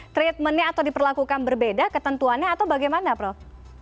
treatmentnya atau diperlakukan berbeda ketentuannya atau bagaimana prof